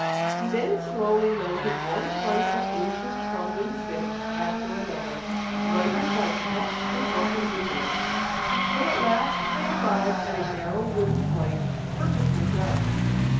He then slowly mounted one flight of ancient crumbling steps after another, lighted by patched and broken windows, till at last they arrived at a narrow wooden flight, perfectly dark.